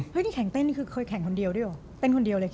เฮ้ยแข่งเต้นคือเคยแข่งคนเดียวด้วยเหรอเต้นคนเดียวเลย